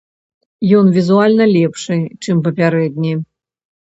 Ён візуальна лепшы, чым папярэдні.